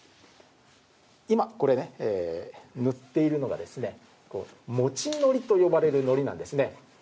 今、これ塗っているのがもち糊と呼ばれる糊なんですね。